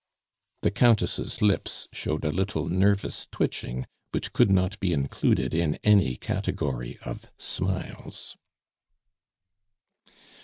The Countess' lips showed a little nervous twitching which could not be included in any category of smiles.